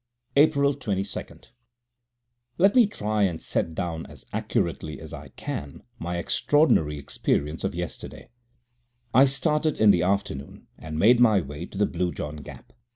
April 22. Let me try and set down as accurately as I can my extraordinary experience of yesterday. I started in the afternoon, and made my way to the Blue John Gap.